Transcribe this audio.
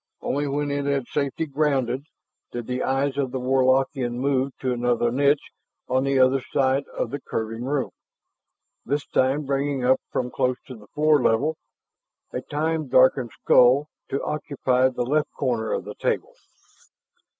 Only when it had safely grounded did the eyes of the Warlockian move to another niche on the other side of the curving room, this time bringing up from close to floor level a time darkened skull to occupy the left corner of the table.